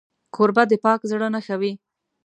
کوربه د پاک زړه نښه وي.